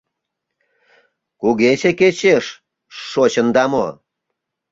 Кугече кечеш шочында мо?